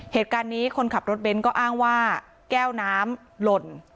เหตุการณ์นี้คนขับรถเบนท์ก็อ้างว่าแก้วน้ำหล่น